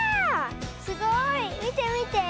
すごい。みてみて。